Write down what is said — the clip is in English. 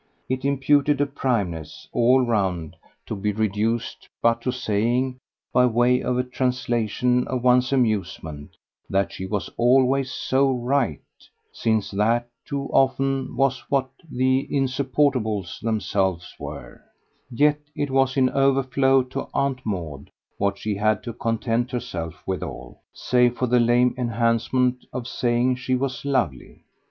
It imputed a primness, all round, to be reduced but to saying, by way of a translation of one's amusement, that she was always so RIGHT since that, too often, was what the insupportables themselves were; yet it was, in overflow to Aunt Maud, what she had to content herself withal save for the lame enhancement of saying she was lovely.